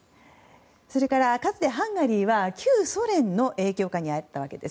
それから、かつてハンガリーは旧ソ連の影響下にあったんです。